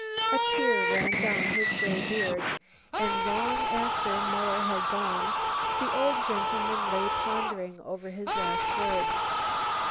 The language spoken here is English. A tear ran down his grey beard, and long after Muller had gone the old gentleman lay pondering over his last words.